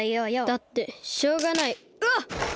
だってしょうがないうわっ！